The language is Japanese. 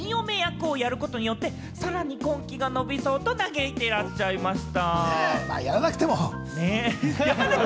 ごめん、田中さんは鬼嫁役をやることによってさらに婚期が延びそうと嘆いていらっしゃいました。